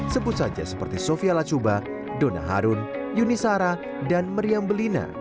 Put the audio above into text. sebut saja seperti sofia lachuba dona harun yuni sara dan meriam belina